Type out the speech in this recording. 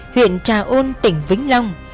huyện trà ôn tỉnh vĩnh long